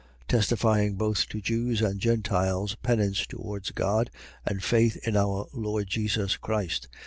Testifying both to Jews and Gentiles penance towards God and faith in our Lord Jesus Christ.